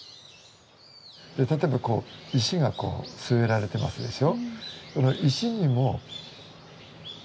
例えばこう石が据えられてますでしょ。